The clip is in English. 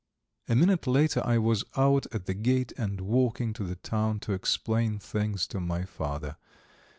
A minute later I was out at the gate and walking to the town to explain things to my father.